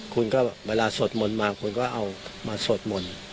คุณก็เวลาสวดมนต์มาคุณก็เอามาสวดมนต์